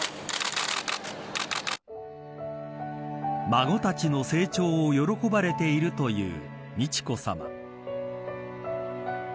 孫たちの成長を喜ばれているという美智子さま。